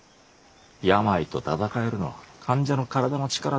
病と闘えるのは患者の体の力だけだ。